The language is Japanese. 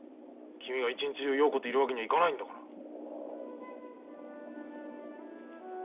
君が一日中陽子といるわけにはいかないんだから。